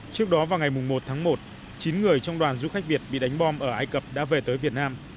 trước đó vào ngày một tháng một chín người trong đoàn du khách việt bị đánh bom ở ai cập đã về tới việt nam